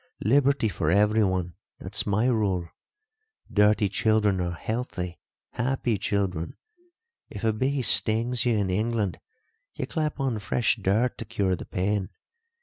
Liberty for everyone that's my rule. Dirty children are healthy, happy children. If a bee stings you in England, you clap on fresh dirt to cure the pain.